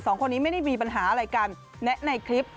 สองคนนี้ไม่ได้มีปัญหาอะไรกันแนะในคลิป